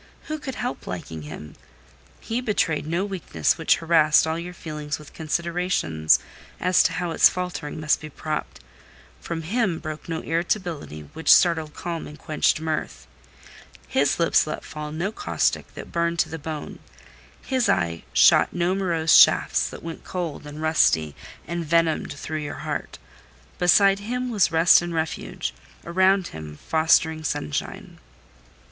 Who could help liking him? He betrayed no weakness which harassed all your feelings with considerations as to how its faltering must be propped; from him broke no irritability which startled calm and quenched mirth; his lips let fall no caustic that burned to the bone; his eye shot no morose shafts that went cold, and rusty, and venomed through your heart: beside him was rest and refuge—around him, fostering sunshine.